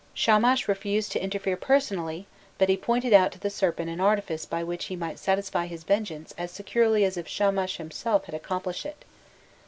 Shamash refused to interfere personally, but he pointed out to the serpent an artifice by which he might satisfy his vengeance as securely as if Shamash himself had accomplished it.